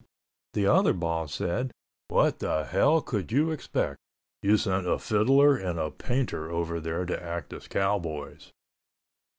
The other boss said, "What the Hell could you expect? You sent a fiddler and a painter over there to act as cowboys."